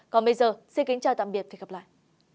còn bây giờ xin kính chào tạm biệt và hẹn gặp lại